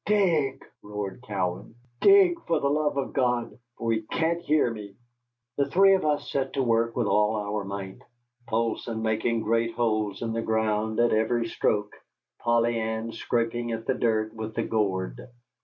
"Dig!" roared Cowan. "Dig, for the love of God, for he can't hear me." The three of us set to work with all our might, Poulsson making great holes in the ground at every stroke, Polly Ann scraping at the dirt with the gourd.